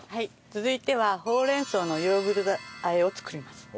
続いてはほうれん草のヨーグルト和えを作ります。